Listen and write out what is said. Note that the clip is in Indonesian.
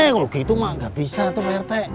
kalau gitu mah gak bisa tuh pak rete